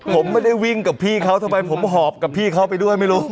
ผมไม่ได้วิ่งกับพี่เขาทำไมผมหอบกับพี่เขาไปด้วยไม่รู้